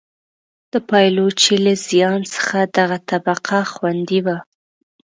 د پایلوچۍ له زیان څخه دغه طبقه خوندي وه.